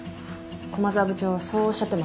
駒沢部長そうおっしゃってましたね。